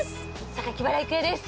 原郁恵です。